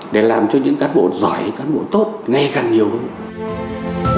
để làm cho những cán bộ giỏi cán bộ tốt ngày càng nhiều hơn